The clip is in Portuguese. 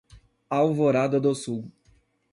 Alvorada do Sul